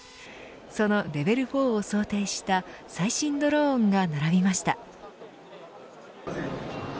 そのレベル４を想定した最新ドローンが並びました。